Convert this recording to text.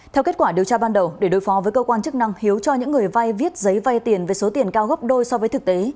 theo kết quả điều tra ban đầu để đối phó với cơ quan chức năng hiếu cho những người vay viết giấy vay tiền với số tiền cao gấp đôi so với thực tế